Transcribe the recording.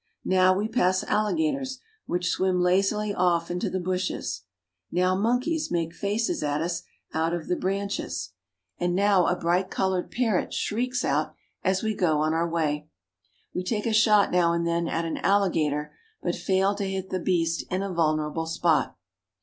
Now we pass alligators, which swim lazily off into the bushes. Now monkeys make faces at us out of the branches, and 44 ECUADOR. now a bright colored parrot shrieks out as we go on our way. We take a shot now and then at an alligator, but fail to hit the beast in a vulnerable spot.